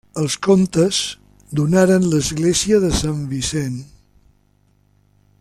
Els comtes donaren l'Església de Sant Vicent.